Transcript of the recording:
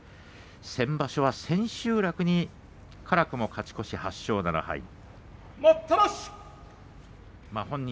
先場所は千秋楽に辛くも勝ち越し８勝７敗という成績でした。